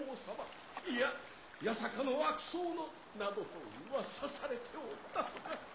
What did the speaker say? いや八坂の悪僧のなどとうわさされておったとか。